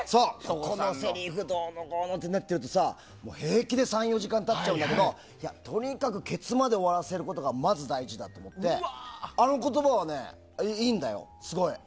このせりふ、どうのこうのってなっていると平気で３４時間経っちゃうんだけどとにかくケツまで終わらせることがまず大事だって言ってあの言葉はいいんだよ、すごい。